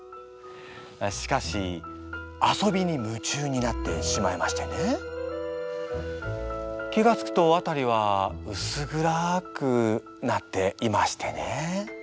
しかし遊びに夢中になってしまいましてね気がつくとあたりはうす暗くなっていましてね